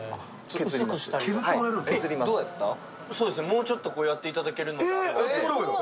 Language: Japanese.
もうちょっとやっていただけるなら。